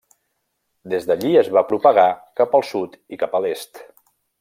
Des d'allí es va propagar cap al sud i cap a l'est.